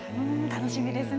楽しみですね。